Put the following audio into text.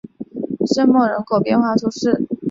圣莫人口变化图示